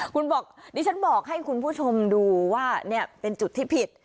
คุณบอกดิฉันบอกให้คุณผู้ชมดูว่าเนี่ยเป็นจุดที่ผิด